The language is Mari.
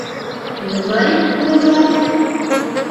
— Могай кулыгар?